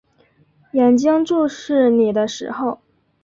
眼睛注视你的时候